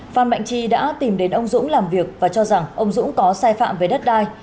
phan mạnh chi đã tìm đến ông dũng làm việc và cho rằng ông dũng có sai phạm về đất đai